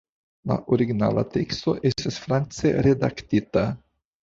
La originala teksto estas france redaktita.